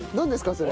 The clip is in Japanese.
それ。